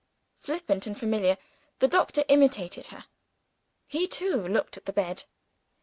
Flippant and familiar, the doctor imitated her; he too looked at the bed.